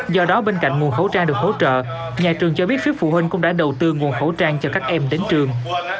do đó bên cạnh nguồn khẩu trang được hỗ trợ nhà trường cho biết phía phụ huynh cũng đã đầu tư nguồn khẩu trang cho các em đến trường